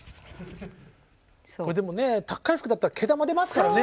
でもね高い服だったら毛玉出ますからね。